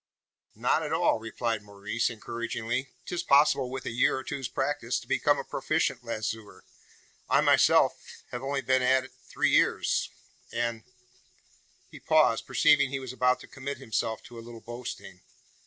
"Not at all," replied Maurice, encouragingly. "'Tis possible, with a year or two's practice, to become a proficient lazoer. I, myself, have only been three years at; and " He paused, perceiving he was about to commit himself to a little boasting.